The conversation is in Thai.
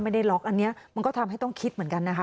ไม่ได้ล็อกอันนี้มันก็ทำให้ต้องคิดเหมือนกันนะคะ